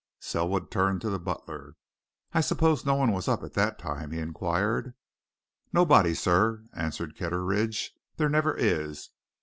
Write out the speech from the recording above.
Selwood turned to the butler. "I suppose no one was up at that time?" he inquired. "Nobody, sir," answered Kitteridge. "There never is.